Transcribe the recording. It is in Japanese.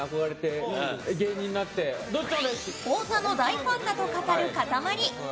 太田の大ファンだと語るかたまり。